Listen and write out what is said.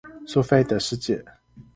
蘇菲的世界